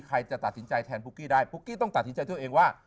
ใครจะตัดสินใจแทนปุ๊กกี้ได้ปุ๊กกี้ต้องตัดสินใจตัวเองว่า